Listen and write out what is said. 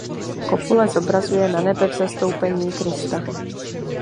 Kopule zobrazuje Nanebevstoupení Krista.